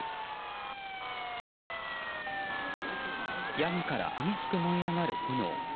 屋根から激しく燃え上がる炎。